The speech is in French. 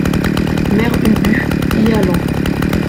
Mère Ubu , y allant.